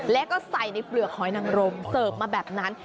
แล้วก็ใส่ในเปลือกหอยนังรมเสิร์ฟมาแบบนั้น